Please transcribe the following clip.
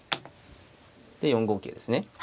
で４五桂ですね。